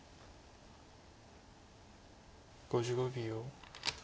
５５秒。